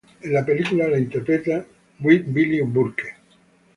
En la película la interpreta Billie Burke.